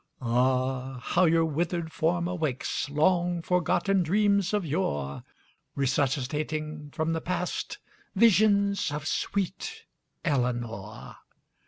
Ah, how your withered form awakes Long forgotten dreams of yore Resuscitating from the past Visions of sweet Eleanor!